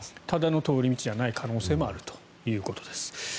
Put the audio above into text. ただの通り道じゃない可能性もあるということです。